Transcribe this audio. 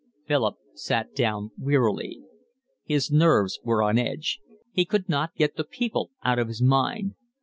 Philip sat down wearily. His nerves were on edge. He could not get the people out of his mind.